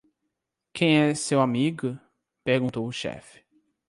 "Quem é seu amigo?" perguntou o chefe.